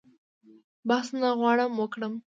بحث نه غواړم وکړم.